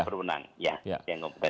sumber yang berwenang ya